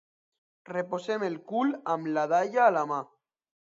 Reposem el cul amb la dalla a la mà.